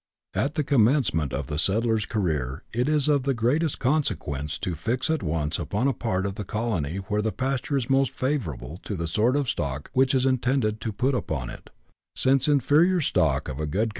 At the commencement of the settler's career it is of the greatest consequence to fix at once upon a part of the colony where the pasture is most favourable to the sort of stock which it is intended to put upon it, since inferior stock in a good coun IGO BUSH LIFE IN AUSTRALIA.